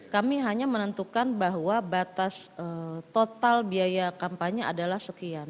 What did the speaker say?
kami hanya menentukan bahwa batas total biaya kampanye adalah sekian